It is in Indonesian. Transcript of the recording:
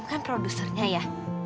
om kan produsernya ya